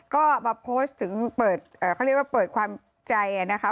ก็มาโพสต์ถึงเปิดเขาเรียกว่าเปิดความใจนะคะ